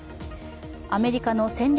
アメリカの戦略